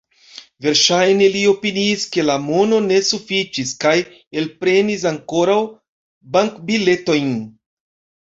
Verŝajne li opiniis, ke la mono ne sufiĉis, kaj elprenis ankoraŭ bankbiletojn.